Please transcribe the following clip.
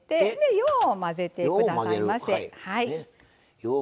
よう混ぜてください。